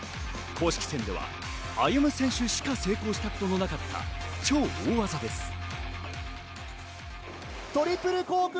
公式戦では歩夢選手しか成功したことのなかった超大技です。